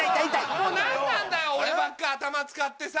もう何なんだよ俺ばっか頭使ってさ。